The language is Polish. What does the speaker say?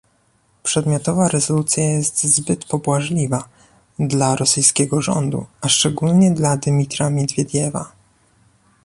Przedmiotowa rezolucja jest zbyt pobłażliwa dla rosyjskiego rządu, a szczególnie dla Dymitra Miedwiediewa